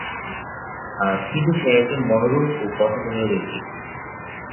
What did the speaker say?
কিন্তু সে একজন মনোরম ও পছন্দনীয় ব্যক্তি।